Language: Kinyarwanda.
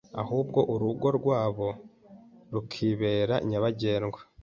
ahubwo urugo rwabo rukibera nyabagendwa